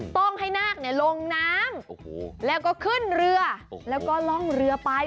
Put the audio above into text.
ต้องให้นาคลงน้ำแล้วก็ขึ้นเรือแล้วก็ล่องเรือไป